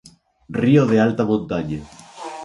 Río de alta montaña.